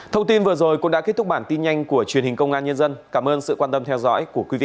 thông tin vừa rồi cũng đã kết thúc bản tin nhanh của truyền hình công an nhân dân cảm ơn sự quan tâm theo dõi của quý vị